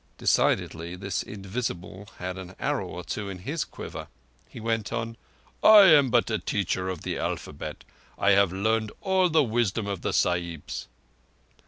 '" Decidedly this invisible had an arrow or two in his quiver. He went on: "I am but a teacher of the alphabet. I have learned all the wisdom of the Sahibs."